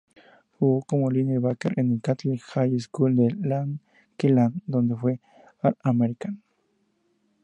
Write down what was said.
Jugó como linebacker en Kathleen High School en Lakeland, donde fue All-American.